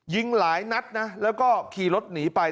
ยิงหลายนัดนะแล้วก็ขี่รถหนีไป